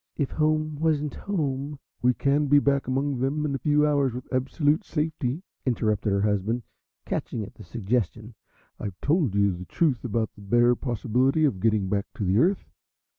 "If home wasn't home " "We can be back among them in a few hours with absolute safety," interrupted her husband, catching at the suggestion. "I've told you the truth about the bare possibility of getting back to the Earth.